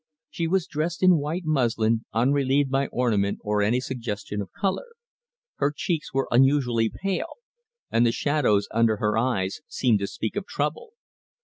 She was dressed in white muslin, unrelieved by ornament or any suggestion of colour. Her cheeks were unusually pale, and the shadows under her eyes seemed to speak of trouble.